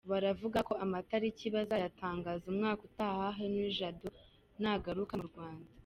Bavuga ko amatariki bazayatangaza umwaka utaha, Henri Jado nagaruka mu Rwanda.